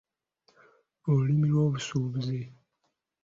Olulimi olw'obusuubuzi.